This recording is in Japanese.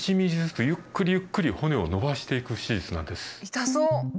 痛そう！